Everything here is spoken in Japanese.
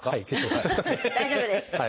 大丈夫です。